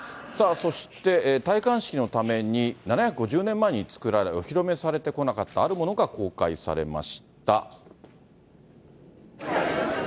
そして、戴冠式のために７５０年前に作られ、お披露目されてこなかったあるものが公開されました。